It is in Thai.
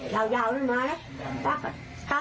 ต้องทำไมทุกคนขอบคุณครับ